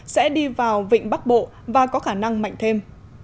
sẽ đi vào vịnh bắc bộ và có khả năng mạnh thêm